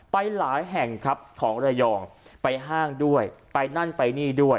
ไปหลายแห่งครับของระยองไปห้างด้วยไปนั่นไปนี่ด้วย